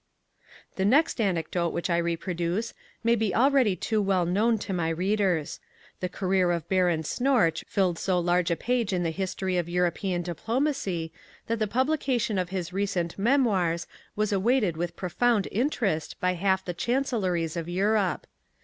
The next anecdote which I reproduce may be already too well known to my readers. The career of Baron Snorch filled so large a page in the history of European diplomacy that the publication of his recent memoirs was awaited with profound interest by half the chancelleries of Europe.